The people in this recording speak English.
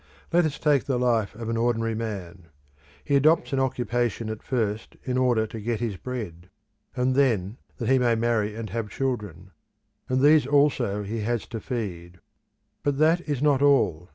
Let us take the life of an ordinary man. He adopts an occupation at first in order to get his bread; and then that he may marry and have children; and these also he has to feed. But that is not all.